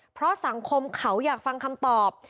เพราะสังคมเขาอยากฟังคำตอบ